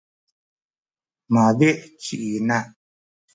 mabi’ ci ina.